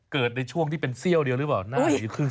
เกิดในช่วงที่เป็นเซี่ยวเดียวหรือเปล่าน่าจะขึ้น